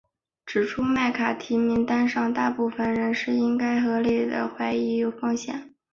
指出麦卡锡名单上大部分人是应该合理地被怀疑有安全风险。